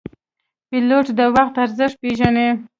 پیلوټ د وخت ارزښت پېژني.